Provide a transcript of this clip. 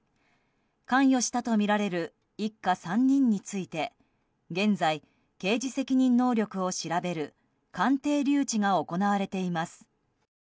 関与したとみられる一家３人について現在、刑事責任能力を調べる鑑定留置が行われています。